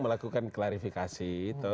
melakukan klarifikasi itu